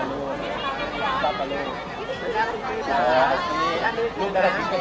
สวัสดีครับ